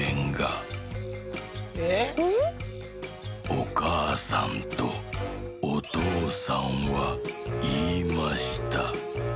「おかあさんとおとうさんはいいました。